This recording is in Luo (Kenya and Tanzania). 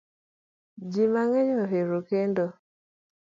Ji mang'eny ohero kendo